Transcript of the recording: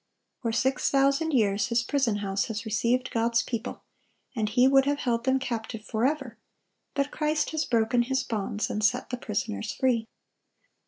For six thousand years his prison house has received God's people, and he would have held them captive forever, but Christ has broken his bonds, and set the prisoners free.